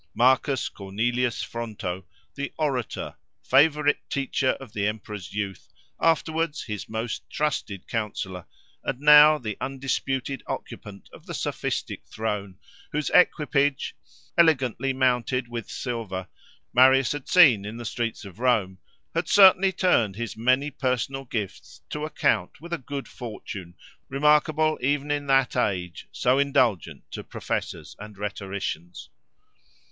Marcus Cornelius Fronto, the "Orator," favourite teacher of the emperor's youth, afterwards his most trusted counsellor, and now the undisputed occupant of the sophistic throne, whose equipage, elegantly mounted with silver, Marius had seen in the streets of Rome, had certainly turned his many personal gifts to account with a good fortune, remarkable even in that age, so indulgent to professors or rhetoricians.